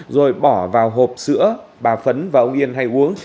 rồi bỏ vào hộp sữa bà phấn và ông yên hay uống